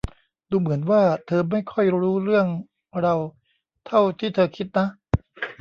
ดูเหมือนว่าเธอไม่ค่อยรู้เรื่องเราเท่าที่เธอคิดนะ